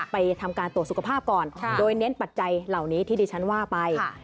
ไปทำการตรวจสุขภาพก่อนโดยเน้นปัจจัยเหล่านี้ที่ดิฉันว่าไป